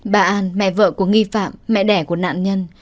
bà an mẹ vợ của nghi phạm mẹ đẻ của nạn nhân